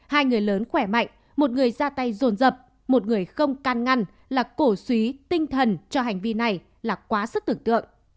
hai người lớn khỏe mạnh một người ra tay rồn rập một người không can ngăn là cổ suý tinh thần cho hành vi này là quá sức tưởng tượng